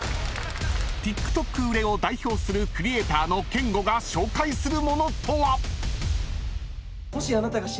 ［ＴｉｋＴｏｋ売れを代表するクリエイターのけんごが紹介する物とは？］